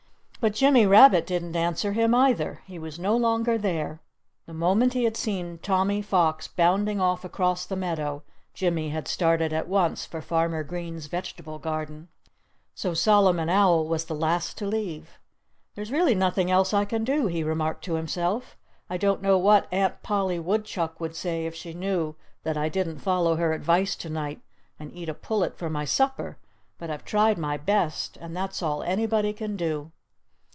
But Jimmy Rabbit didn't answer him, either. He was no longer there. The moment he had seen Tommy Fox bounding off across the meadow Jimmy had started at once for Farmer Green's vegetable garden. So Solomon Owl was the last to leave. "There's really nothing else I can do," he remarked to himself. "I don't know what Aunt Polly Woodchuck would say if she knew that I didn't follow her advice to night and eat a pullet for my supper.... But I've tried my best.... And that's all anybody can do."